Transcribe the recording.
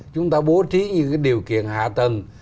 chúng ta bố trí những điều kiện hạ tầng